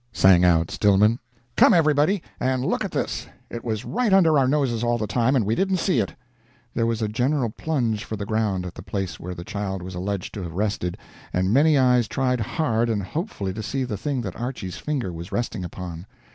sang out Stillman. "Come, everybody, and look at this! It was right under our noses all the time, and we didn't see it." There was a general plunge for the ground at the place where the child was alleged to have rested, and many eyes tried hard and hopefully to see the thing that Archy's finger was resting upon.